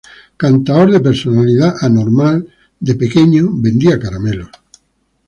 Cantaor de personalidad anormal, de pequeño vendía caramelos.